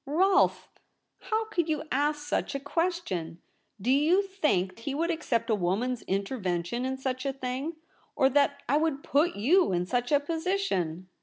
' Rolfe ! How could you ask such a ques tion ? Do you think he would accept a woman's intervention in such a thing? or that I would put you in such a position